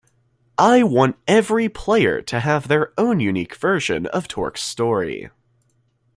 I want every player to have their own unique version of Torque's story.